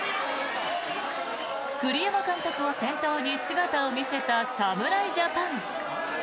栗山監督を先頭に姿を見せた侍ジャパン。